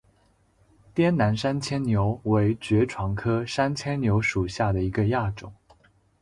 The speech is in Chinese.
滇南山牵牛为爵床科山牵牛属下的一个亚种。